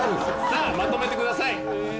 さあまとめてください。